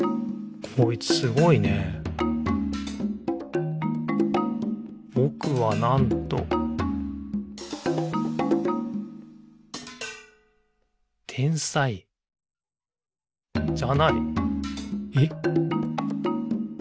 こいつすごいね「ぼくは、なんと」天才じゃない。え？